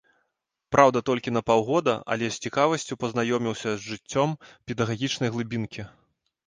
Праўда, толькі на паўгода, але з цікавасцю пазнаёміўся з жыццём педагагічнай глыбінкі.